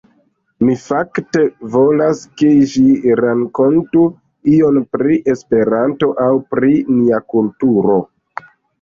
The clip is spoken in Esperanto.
Mi fakte volas ke ĝi rankontu ion pri Esperanto aŭ pri nia kulturo.